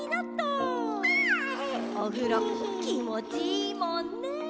おふろきもちいいもんね。